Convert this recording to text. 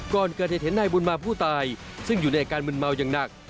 ก่อนเกิดเหตุเห็นนายบุญมาผู้ตายซึ่งอยู่ในอาการมึนเมาอย่างหนัก